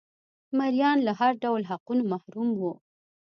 مریان له هر ډول حقونو محروم وو